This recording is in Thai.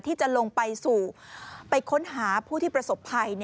ที่จะลงไปสู่ไปค้นหาผู้ที่ประสบภัย